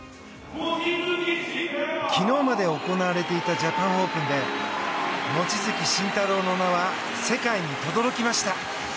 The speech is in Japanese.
昨日まで行われていたジャパンオープンで望月慎太郎の名は世界にとどろきました。